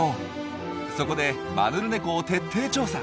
そこでマヌルネコを徹底調査。